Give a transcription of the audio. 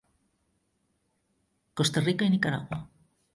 Costa Rica i Nicaragua.